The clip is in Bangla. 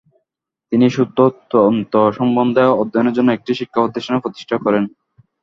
তিনি সূত্র ও তন্ত্র সম্বন্ধে অধ্যয়নের জন্য একটি শিক্ষাপ্রতিষ্ঠানের প্রতিষ্ঠা করেন।